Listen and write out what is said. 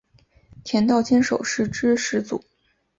田道间守是之始祖。